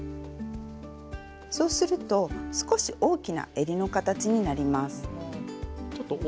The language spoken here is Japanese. そうすると少し大きなえりの形になります。